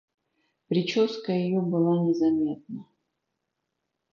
Прическа ее была незаметна.